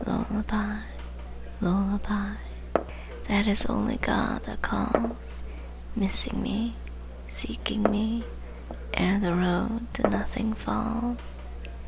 Lullabye lullabye That is only God that calls, Missing me, seeking me, Ere the road to nothing falls!